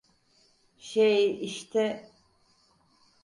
Şey işte…